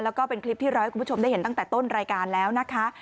แล้วก็เป็นคลิปที่เราให้คุณผู้ชมได้เห็นตั้งแต่ต้นรายการแล้วนะคะ